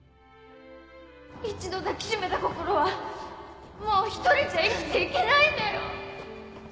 一度抱きしめた心はもう一人じゃ生きていけないんだよ！